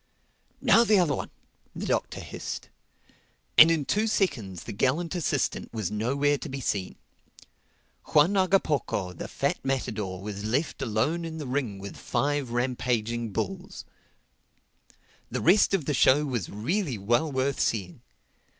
"Now the other one," the Doctor hissed. And in two seconds the gallant assistant was nowhere to be seen. Juan Hagapoco, the fat matador, was left alone in the ring with five rampaging bulls. The rest of the show was really well worth seeing.